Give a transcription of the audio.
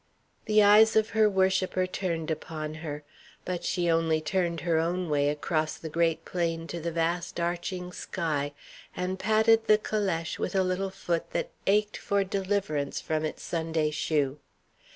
The eyes of her worshipper turned upon her. But she only turned her own away across the great plain to the vast arching sky, and patted the calèche with a little foot that ached for deliverance from its Sunday shoe.